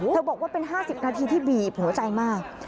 บอกว่าเป็น๕๐นาทีที่บีบหัวใจมาก